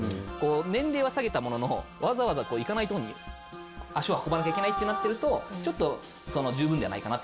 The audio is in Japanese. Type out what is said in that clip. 年齢は下げたもののわざわざ行かないとこに足を運ばなきゃいけないってなってるとちょっと十分じゃないかなって